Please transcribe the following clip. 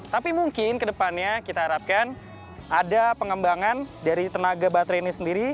tapi mungkin kedepannya kita harapkan ada pengembangan dari tenaga baterai ini sendiri